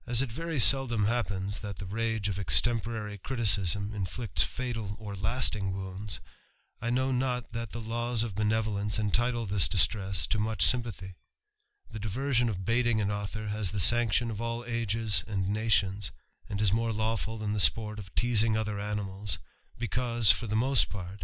; very seldom happens that the rage of extemporary n inflicts fatal or lasting wounds, I know not that rs of benevolence entide this distress to much sym The diversion of baiting an author has the sanc ' all ages and nations, and is more lawful than the £ teasing other animals, because, for the most lart, i8o THE RAMBLER.